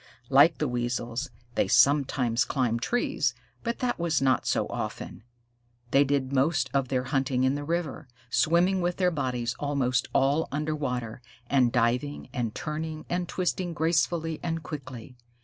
Like the Weasels, they sometimes climbed trees, but that was not often. They did most of their hunting in the river, swimming with their bodies almost all under water, and diving and turning and twisting gracefully and quickly.